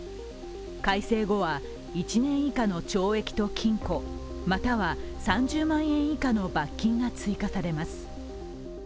改正後は、１年以下の懲役と禁錮、または３０万円以下の罰金が追加されます。